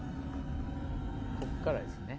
ここからですね。